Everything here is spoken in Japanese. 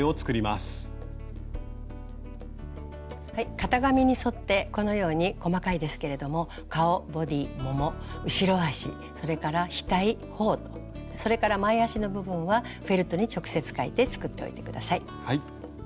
型紙に沿ってこのように細かいですけれども顔ボディーもも後ろ足それから額ほおそれから前足の部分はフェルトに直接描いて作っておいて下さい。